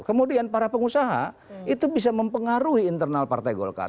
kemudian para pengusaha itu bisa mempengaruhi internal partai golkar